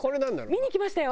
見に行きましたよ！